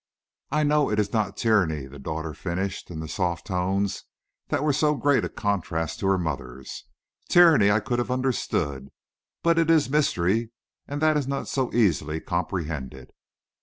"I know it is not tyranny," the daughter finished, in the soft tones that were so great a contrast to her mother's. "Tyranny I could have understood; but it is mystery, and that is not so easily comprehended.